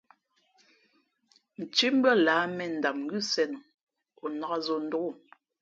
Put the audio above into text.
Ntímbʉ́ά lah mēn ndam ngʉ́ sēn o lά, o nāk zǒ ndôk o.